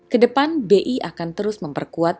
kedepan bi akan terus memperkuat